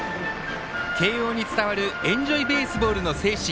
慶応に伝わるエンジョイベースボールの精神。